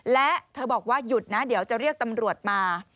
และเธอบอกว่าหยุดนะเดี๋ยวจะเรียกตำรวจมา